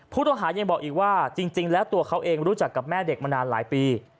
ผู้ต้องหายังบอกอีกว่าจริงแล้วตัวเขาเองรู้จักกับแม่เด็กมานานหลายปี